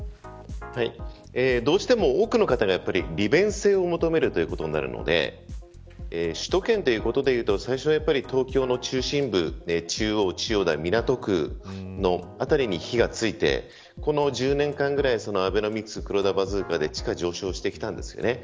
どうしても多くの方が利便性を求めるということになるので首都圏ということで言うと最初は東京の中心部中央区、千代田区、港区の辺りに火がついてこの１０年間ぐらいアベノミスク、黒田バズーカで地価が上昇してきたんです。